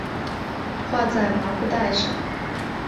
画在麻布袋上